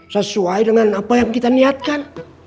sesuai dengan apa yang kita niatkan